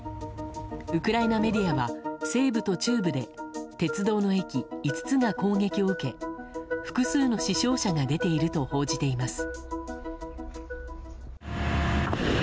ウクライナメディアは西部と中部で鉄道の駅５つが攻撃を受け複数の死傷者が出ていると報じています。